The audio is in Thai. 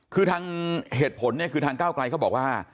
คือทางเหตุผลเนี่ยคือทางก้าวไกลเขาบอกว่า